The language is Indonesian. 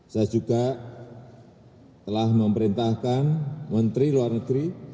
saya juga telah memerintahkan menteri luar negeri